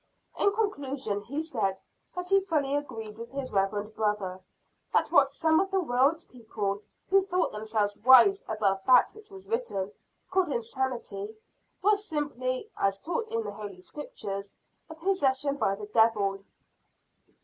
In conclusion he said that he fully agreed with his reverend brother, that what some of the world's people, who thought themselves wise above that which was written, called insanity, was simply, as taught in the holy scriptures, a possession by the devil.